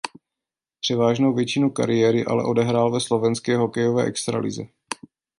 Převážnou většinu kariéry ale odehrál ve slovenské hokejové extralize.